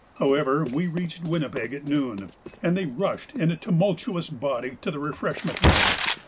However, we reached Winnipeg at noon, and they rushed in a tumultuous body to the refreshment room.